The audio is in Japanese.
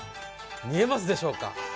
見えますでしょうか。